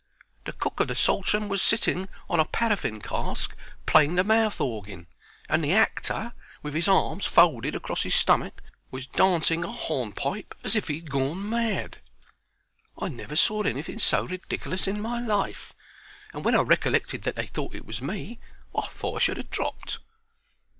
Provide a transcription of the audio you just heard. The cook of the Saltram was sitting on a paraffin cask playing the mouth orgin, and the actor, with 'is arms folded across his stummick, was dancing a horn pipe as if he'd gorn mad. I never saw anything so ridikerlous in my life, and when I recollected that they thought it was me, I thought I should ha' dropped.